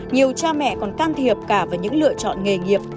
nhiều cha mẹ còn can thiệp cả vào những lựa chọn nghề nghiệp